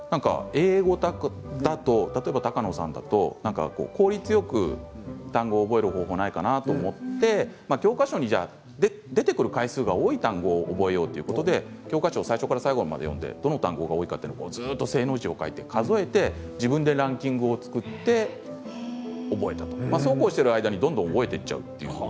英語だと効率よく単語を覚える方法がないかなと思って教科書に出てくる回数が多い単語を覚えようということで教科書を最初から最後まで正の字を書いて数えて自分でランキングを作って覚えてそうこうしている間にどんどん覚えていっちゃう。